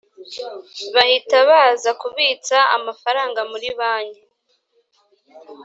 bahita baza kubitsa amafaranga muri bank